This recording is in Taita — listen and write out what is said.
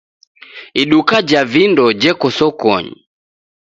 Iduka ja vindo jeko sokonyi.